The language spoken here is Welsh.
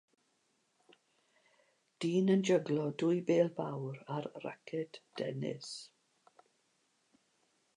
Dyn yn jyglo dwy bêl fawr ar raced dennis.